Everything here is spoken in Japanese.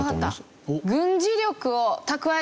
わかった。